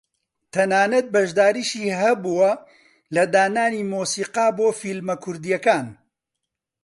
تەنانەت بەشداریشی هەبووە لە دانانی مۆسیقا بۆ فیلمە کوردییەکان